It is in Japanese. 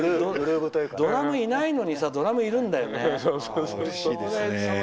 ドラムいないのにさドラムいるんだよね。